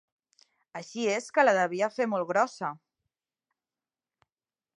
Així és que la devia fer molt grossa!